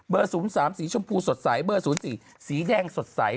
๐๓สีชมพูสดใสเบอร์๐๔สีแดงสดใส